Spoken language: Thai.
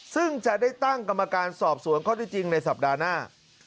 ซึ่งจะได้ตั้งกรรมการสอบสวนข้อที่จริงในสัปดาห์หน้า